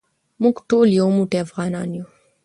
موږ ټول یو موټی افغانان یو.